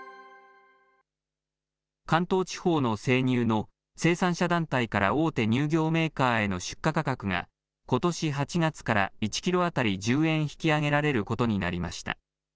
関東地方の生乳の生産者団体から大手乳業メーカーへの出荷価格が、ことし８月から１キロ当たり１０円引き上げられることになりました。